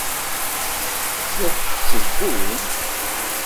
La d-tteddun.